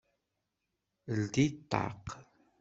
Ldi ṭṭaq!